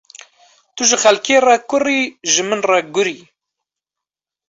Tu ji xelkê re kur î, ji min re gur î.